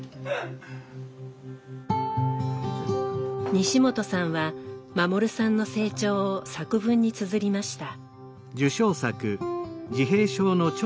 西本さんは護さんの成長を作文につづりました。